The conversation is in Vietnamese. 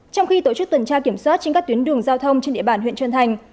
trong khi tổ chức tuần tra kiểm soát trên các tuyến đường giao thông trên địa bàn huyện trơn thành